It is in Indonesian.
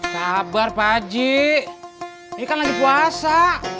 sabar pak haji ini kan lagi puasa